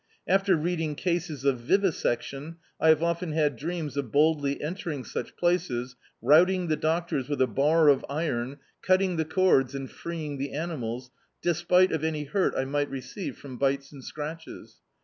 After reading cases of vivisection I have often had dreams of boldly entering such places, routing the doctors with a bar of iron, cutting the cords and freeing the animals, despite of any hurt I mi^t receive from bites and scratches.